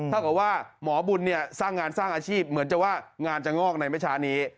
เท่ากับว่าหมอบุญเนี่ยสร้างงานสร้างอาชีพเหมือนจะว่างานจะงอกในไม่ช้านี้